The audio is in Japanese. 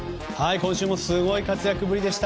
今週もすごい活躍ぶりでした。